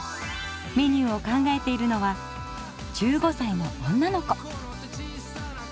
メニューを考えているのは１５歳の女の子。